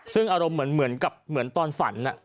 ซึ่งอารมณ์เหมือนกับเหมือนตอนฝัน